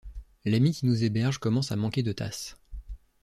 L’amie qui nous héberge commence à manquer de tasses.